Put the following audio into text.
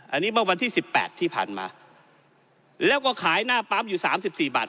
อันนี้เมื่อวันที่สิบแปดที่ผ่านมาแล้วก็ขายหน้าปั๊มอยู่สามสิบสี่บาท